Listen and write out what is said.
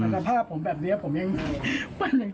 มันภาพผมแบบนี้ผมยัง